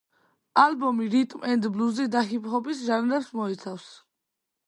ალბომი რიტმ-ენდ-ბლუზის და ჰიპ-ჰოპის ჟანრებს მოიცავს.